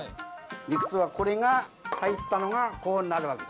理屈はこれが入ったのがこうなるわけ。